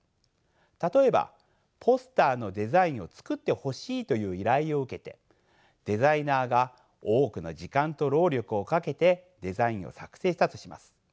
例えばポスターのデザインを作ってほしいという依頼を受けてデザイナーが多くの時間と労力をかけてデザインを作成したとします。